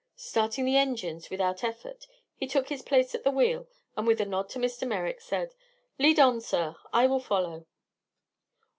Starting the engines without effort he took his place at the wheel and with a nod to Mr. Merrick said: "Lead on, sir; I will follow."